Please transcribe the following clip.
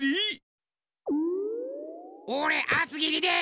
おれあつぎりで！